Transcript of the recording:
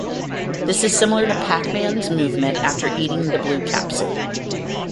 This is similar to Pac-Man's movements after eating the Blue Capsule.